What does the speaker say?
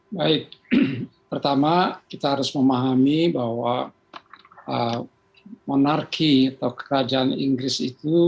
baik pertama kita harus memahami bahwa monarki atau kerajaan inggris itu